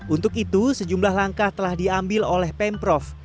untuk itu sejumlah langkah telah diambil oleh pemprov